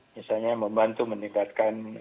misalnya membantu meningkatkan